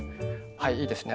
はいいいですね。